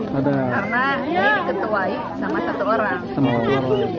karena ini diketuai sama satu orang